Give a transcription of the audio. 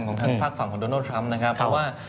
ของทางฝากฝั่งของโดนัลดทรัมป์นะครับเพราะว่า